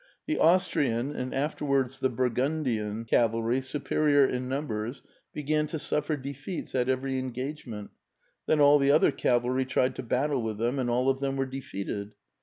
The Austrian, ^nd afterwards the Burgundian, cavalry, superior in numbei*s, began to suffer defeats at everj' engagement ; then all the other cavalry tried to battle with them, and all of Ihem were defeated.